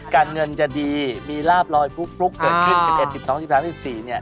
การเงินจะดีมีลาบลอยฟลุกเกิดขึ้น๑๑๑๒๑๓๑๔เนี่ย